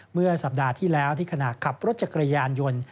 เมื่อสัปดาห์ที่แล้วที่ขณะขับรถจักรยานยนต์